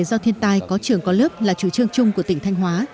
do thiên tai có trường có lớp là chủ trương chung của tỉnh thanh hóa